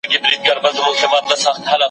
په ښيراوو کي احتياط کوئ